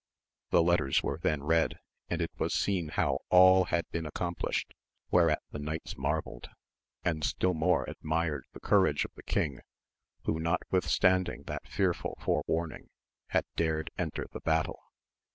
The letters were then read, and it was seen how all had been accom plished, whereat the knights marvelled, and still more admired the courage of the king who, notwithstanding that fearfal forewarning, had dared enter the battle.